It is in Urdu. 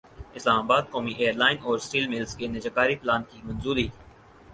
اسلام باد قومی ایئرلائن اور اسٹیل ملزکے نجکاری پلان کی منظوری